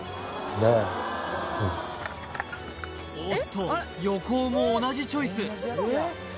でうんおっと横尾も同じチョイス